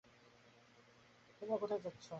তোমরা কোথায় যাচ্ছ?